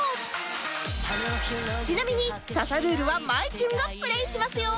ちなみに『刺さルール！』はまいちゅんがプレイしますよ